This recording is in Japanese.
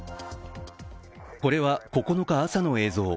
これは９日朝の映像。